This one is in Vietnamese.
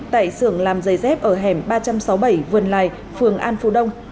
tại xưởng làm giày dép ở hẻm ba trăm sáu mươi bảy vườn lài phường an phú đông